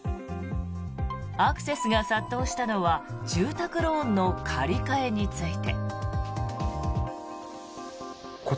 アクセスが殺到したのは住宅ローンの借り換えについて。